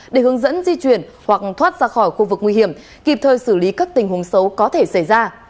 để hướng dẫn di chuyển hoặc thoát ra khỏi khu vực nguy hiểm kịp thời xử lý các tình huống xấu có thể xảy ra